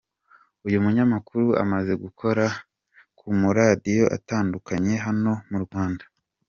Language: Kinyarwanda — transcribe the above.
Uyu munyamakuru ,amaze gukora ku maradiyo atandukanye hano mu Rwanda.